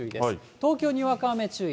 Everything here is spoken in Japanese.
東京、にわか雨注意。